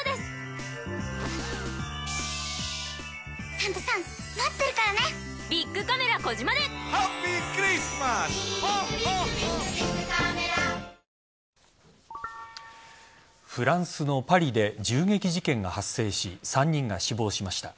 来年３月のＷＢＣではフランスのパリで襲撃事件が発生し３人が死亡しました。